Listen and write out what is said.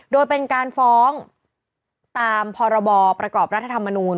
โดยเป็นการฟ้องตามพรบประกอบรัฐธรรมนูล